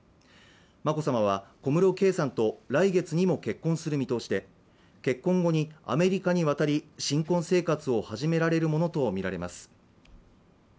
眞子さまは、小室圭さんと来月にも結婚する見通しで、結婚後にアメリカに渡り、新婚生活を始められるものとみられます。